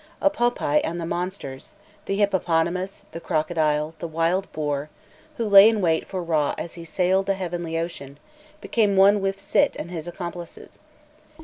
Apopi and the monsters the hippopotamus, the crocodile, the wild boar who lay in wait for Râ as he sailed the heavenly ocean, became one with Sît and his accomplices.